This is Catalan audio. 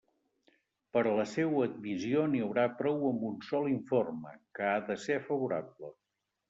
Per a la seua admissió n'hi haurà prou amb un sol informe, que ha de ser favorable.